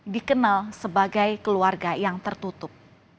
dikenal sebagai keluarga yang tertutup